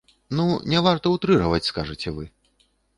Ну, не варта утрыраваць, скажаце вы.